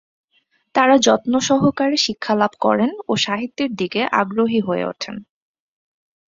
তারা যত্ন সহকারে শিক্ষা লাভ করেন ও সাহিত্যের দিকে আগ্রহী হয়ে উঠেন।